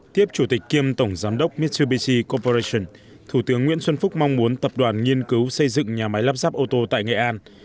tiếp chủ tịch kiêm tổng giám đốc mitsubishi koperation thủ tướng nguyễn xuân phúc mong muốn tập đoàn nghiên cứu xây dựng nhà máy lắp ráp ô tô tại nghệ an